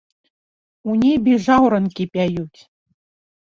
У небе жаўранкі пяюць.